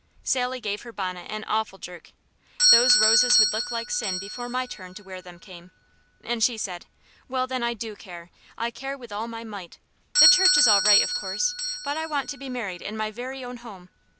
Sally gave her bonnet an awful jerk. Those roses would look like sin before my turn to wear them came, and she said: "Well then, I do care! I care with all my might! The church is all right, of course; but I want to be married in my very own home!